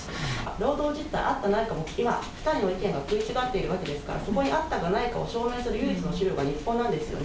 労働実態あったかないか、今、２人の意見が食い違っているわけですから、そこにあったかないかを証明する唯一の資料が日報なんですよね。